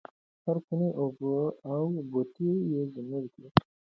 هر کاڼی او بوټی یې زموږ دی.